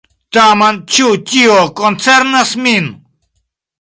Tamen, ĉu tio koncernas min?